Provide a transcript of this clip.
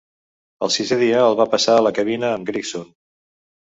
El sisè dia el va passar a la cabina amb Gregson.